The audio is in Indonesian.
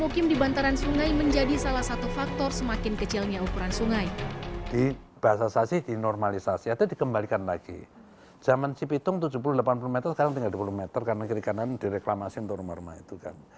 karena kiri kanan direklamasi untuk rumah rumah itu kan